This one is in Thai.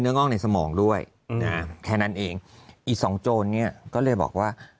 งอกในสมองด้วยนะแค่นั้นเองอีกสองโจรเนี้ยก็เลยบอกว่า